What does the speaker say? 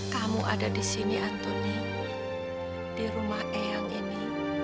kamu ada di sini antoni di rumah eyang ini